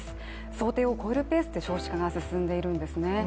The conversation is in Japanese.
想定を超えるペースで少子化が進んでいるんですね。